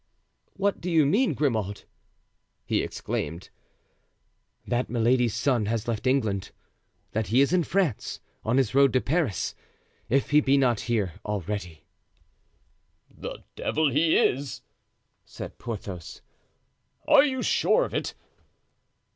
"What do you mean, Grimaud?" he exclaimed. "That Milady's son has left England, that he is in France, on his road to Paris, if he be not here already." "The devil he is!" said Porthos. "Are you sure of it?"